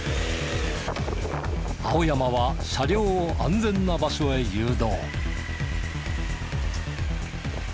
青山は車両を安全な場所へ誘導。